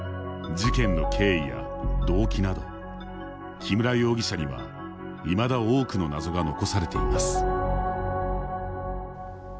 事件の経緯や動機など木村容疑者にはいまだ多くの謎が残されています。